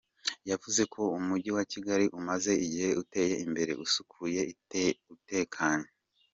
Yavuze ko Umujyi wa Kigali umaze igihe, uteye imbere, usukuye kandi utekanye.